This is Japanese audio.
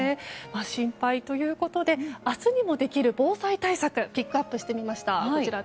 心配ということで明日にもできる防災対策をピックアップしてみました。